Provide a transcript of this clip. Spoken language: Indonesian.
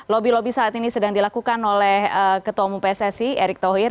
lobby lobby saat ini sedang dilakukan oleh ketua umum pssi erick thohir